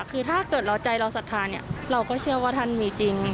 คือถ้าเกิดเราใจเราศรัทธาเนี่ยเราก็เชื่อว่าท่านมีจริง